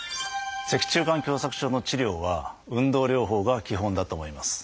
脊柱管狭窄症の治療は運動療法が基本だと思います。